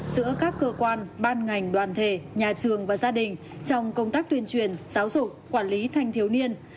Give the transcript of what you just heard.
giữa các cơ quan ban ngành đoàn thể nhà trường và gia đình trong công tác tuyên truyền giáo dục quản lý thanh thiếu niên